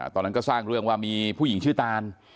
ตอนนั้นก็สร้างเรื่องว่ามีผู้หญิงชื่อตาน